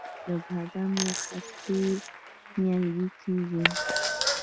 د بادام له خستې نیالګی کیږي؟